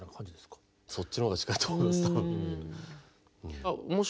そっちの方が近いと思います。